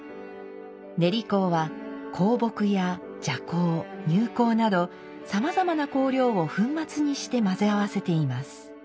練香は香木や麝香乳香などさまざまな香料を粉末にして混ぜ合わせています。